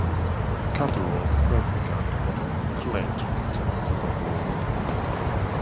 Catterall first began to model in clay during the Second World War.